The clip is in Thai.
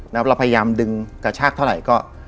แล้วเราพยายามดึงกระชากเท่าไหร่ก็